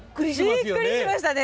びっくりしましたね。